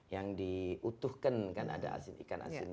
yang diutuhkan kan ada asin ikan asinnya